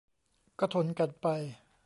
ก็ทนกันไป